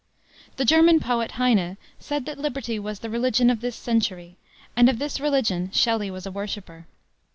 The German poet, Heine, said that liberty was the religion of this century, and of this religion Shelley was a worshiper.